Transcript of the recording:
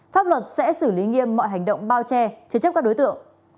pháp luật sẽ xử lý nghiêm mọi hành động bao che chế chấp các đối tượng